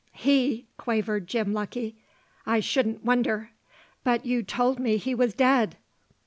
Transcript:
"He!" quavered Jim Lucky. "I shouldn't wonder." "But you told me he was dead!"